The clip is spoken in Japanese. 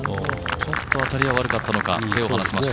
ちょっと当たりが悪かったのか、手を回しました。